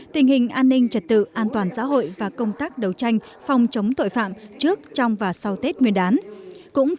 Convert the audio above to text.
tình hình an ninh trật tự an toàn xã hội và công tác đấu tranh phòng chống tội phạm trước trong và sau tết nguyên đán